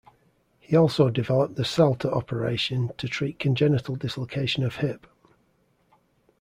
He also developed the Salter operation to treat congenital dislocation of hip.